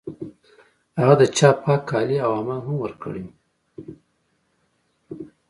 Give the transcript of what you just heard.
هغه ته چا پاک کالي او حمام هم ورکړی و